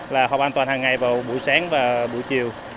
là học an toàn hàng ngày vào buổi sáng và buổi chiều